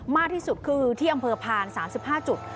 มากที่สุดคือที่อำเภอพานสามสิบห้าจุด